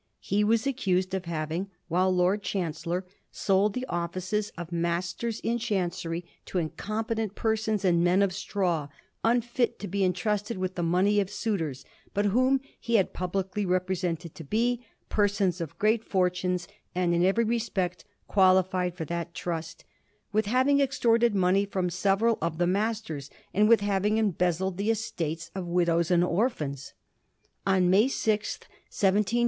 He was accused of having, while Lord Chancellor, sold the offices of Masters in Chancery to incompetent persons and men of straw, unfit to be entrusted with the money of suitors, but whom he had publicly represented to be ' persons of great fortunes, and in every respect qualified for that trust ;' with having extorted money fi:om several of the masters, and with having embezzled the estates Digiti zed by Google 344 A HISTORY OF THE FOUR GEORGES, ch. xra^ of widows and orphans.